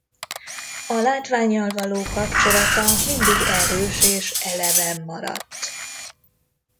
A látvánnyal való kapcsolata mindig erős és eleven maradt.